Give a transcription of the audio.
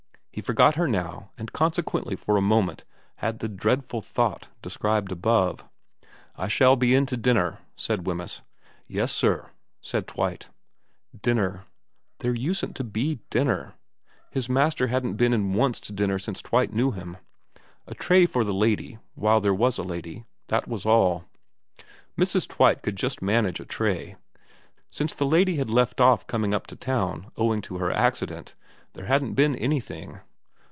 He forgot her now, and consequently for a moment had the dreadful thought described above. ' I shall be in to dinner,' said Wemyss. ' Yes sir,' said Twite. VERA 313 Dinner. There usedn't to be dinner. His master hadn't been in once to dinner since Twite knew him. A tray for the lady, while there was a lady ; that was all. Mrs. Twite could just manage a tray. Since the lady had left ofE coming up to town owing to her accident, there hadn't been anything.